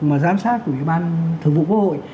mà giám sát của ủy ban thường vụ quốc hội